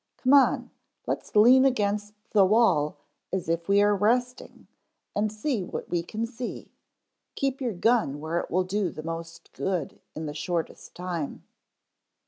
"Come on, let's lean against the wall as if we are resting and see what we can see. Keep your gun where it will do the most good in the shortest time."